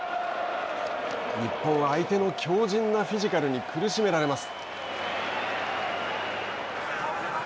日本は相手の強じんなフィジカルに苦しめられます。